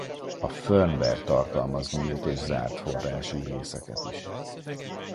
A firmware tartalmaz nyílt és zárt forrású részeket is.